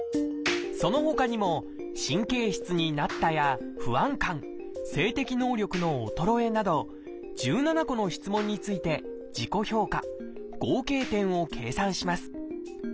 そのほかにも「神経質になった」や「不安感」「性的能力の衰え」など１７個の質問について自己評価合計点を計算します。